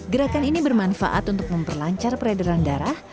gerakan ini bermanfaat untuk memperlancar peredaran darah